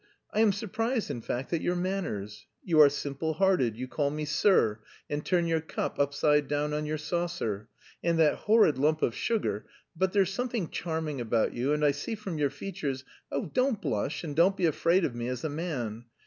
I am surprised in fact at your manners. You are simple hearted, you call me 'sir,' and turn your cup upside down on your saucer... and that horrid lump of sugar; but there's something charming about you, and I see from your features.... Oh, don't blush and don't be afraid of me as a man.